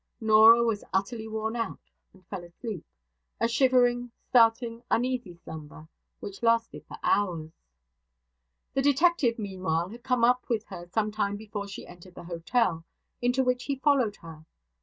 Norah was utterly worn out, and fell asleep a shivering, starting, uneasy slumber, which lasted for hours. The detective, meanwhile, had come up with her some time before she entered the hotel, into which he followed her.